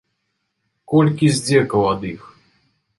Колькі здзекаў ад іх?!